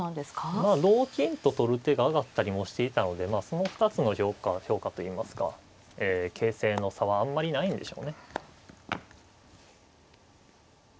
まあ同金と取る手が挙がったりもしていたのでその２つの評価といいますか形勢の差はあんまりないんでしょうね。